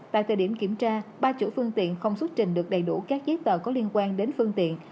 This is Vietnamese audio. tại thời điểm kiểm tra ba chủ phương tiện không xuất trình được đầy đủ các giấy tờ có liên quan đến phương tiện